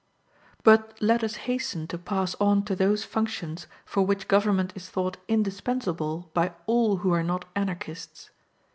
But let us hasten to pass on to those functions for which government is thought indispensable by all who are not Anarchists.